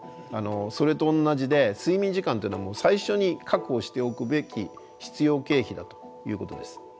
それと同じで睡眠時間っていうのは最初に確保しておくべき必要経費だということです。